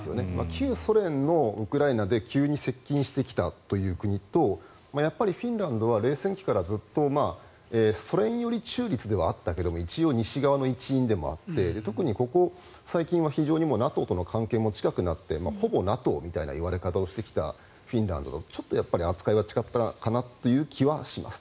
旧ソ連のウクライナで急に接近してきたという国とやっぱりフィンランドは冷戦期からずっとソ連寄り中立ではあったけれども一応、西側の一員でもあって特にここ最近は非常にＮＡＴＯとの関係も近くなってほぼＮＡＴＯみたいな言われ方をしてきたフィンランドとちょっと扱いは違ったかなという気はします。